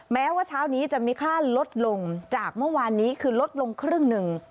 แม้ว่าเช้านี้จะมีค่าลดลงจากเมื่อวานนี้คือลดลงครึ่งหนึ่ง